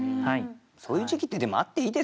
そういう時期ってでもあっていいですよね。